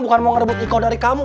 bukan mau ngerebut engkau dari kamu